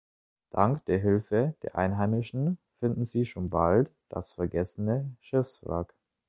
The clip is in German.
Dank der Hilfe der Einheimischen finden sie schon bald das vergessene Schiffswrack.